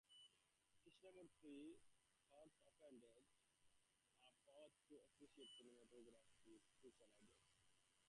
Krishnamurti's thoughts opened up Pollock to appreciate contemporary spiritual ideas.